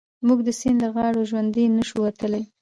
موږ د سيند له غاړو ژوندي نه شو وتلای.